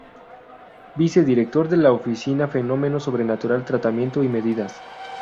Vice-director de la Oficina fenómeno sobrenatural tratamiento y medidas.